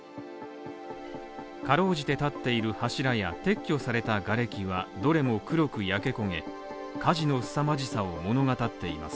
かろうじて立っている柱や撤去されたがれきはどれも黒く焼け焦げ、火事の凄まじさを物語っています。